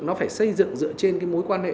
nó phải xây dựng dựa trên cái mối quan hệ